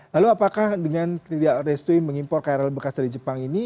lalu apakah dengan tidak restui mengimpor krl bekas dari jepang ini